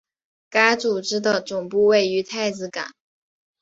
该组织的总部位于太子港。